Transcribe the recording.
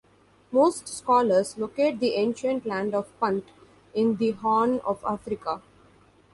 Most scholars locate the ancient Land of Punt in the Horn of Africa.